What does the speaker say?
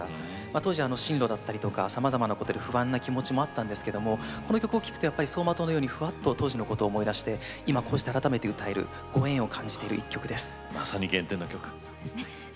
当時進路だったりとかさまざまなことで不安な気持ちがあったんですがこの曲を聴くと、走馬灯のようにふわっと当時のことを思い出してご縁を感じている曲です。